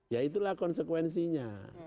ya itulah konsekuensinya